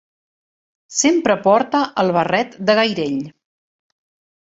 Sempre porta el barret de gairell.